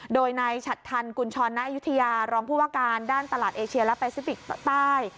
โดยนายฉัดทันกุญชรณอายุทยารองผู้ว่าการด้านตลาดเอเชียและแปซิฟิกใต้